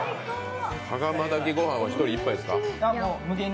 羽釜炊きご飯は１人１杯ですか？